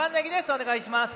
お願いします。